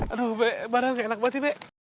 aduh badan nggak enak banget ini